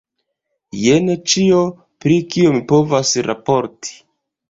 Jen ĉio, pri kio mi povas raporti.